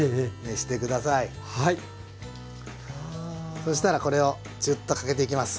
そしたらこれをジュッとかけていきます。